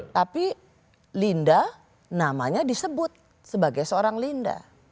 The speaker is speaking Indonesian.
tapi linda namanya disebut sebagai seorang linda